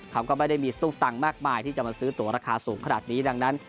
เขาก็ไม่ได้มีสตุ้งสตังค์มากมายที่จะมาซื้อตัวราคาสูงขนาดนี้ดังนั้น